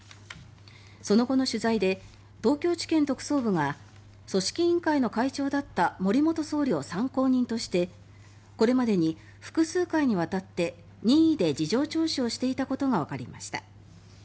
その後の取材で東京地検特捜部が組織委員会の会長だった森元総理を参考人としてこれまでに複数回にわたって任意で事情聴取をしていたことがわかりました。